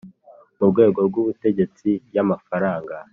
mu rwego rw ubutegetsi y amafaranga